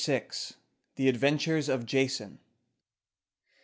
THE ADVENTURES OF JASON.